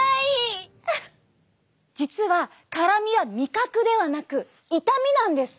実は辛みは味覚ではなく痛みなんです。